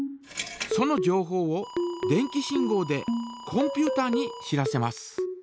そのじょうほうを電気信号でコンピュータに知らせます。